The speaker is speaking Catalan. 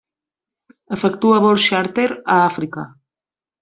Efectua vols xàrter a Àfrica.